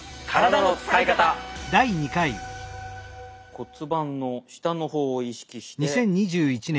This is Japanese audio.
骨盤の下の方を意識してこの仙骨を。